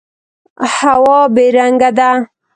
هوا بې رنګه ده.